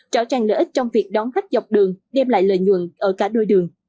rõ ràng lợi ích trong việc đón khách dọc đường đem lại lợi nhuận ở cả đôi đường